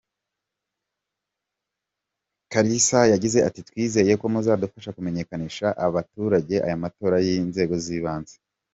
Kalisa yagize ati “Twizeye ko muzadufasha kumenyesha abaturage aya matora y’inzego z’ibanze.